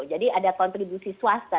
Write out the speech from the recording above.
jadi ada kontribusi swasta